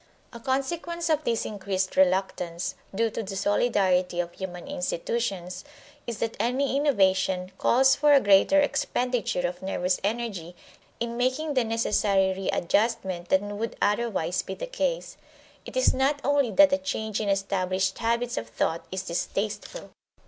A consequence of this increased reluctance, due to the solidarity of human institutions, is that any innovation calls for a greater expenditure of nervous energy in making the necessary readjustment than would otherwise be the case. It is not only that a change in established habits of thought is distasteful.